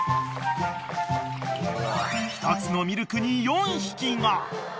［１つのミルクに４匹が］